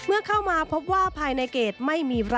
เป็นอย่างไรนั้นติดตามจากรายงานของคุณอัญชาฬีฟรีมั่วครับ